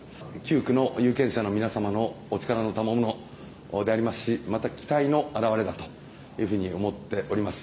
９区の有権者の皆様のお力のたまものでございますしまた期待の表れだと思っております。